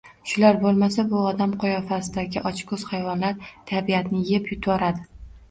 Shular boʻlmasa, bu odam qiyofasidagi ochkoʻz hayvonlar tabiatni yeb-yutvoradi.